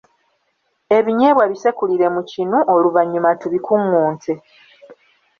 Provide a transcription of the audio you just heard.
Ebinyeebwa bisekulire mu kinu oluvannyuma tubikungunte.